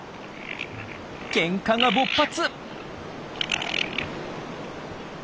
ケンカが勃発！